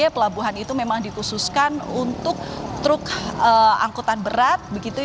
pelabuhan itu memang dikhususkan untuk truk angkutan berat